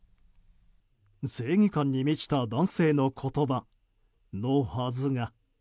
正義感に満ちた男性の言葉のはずが。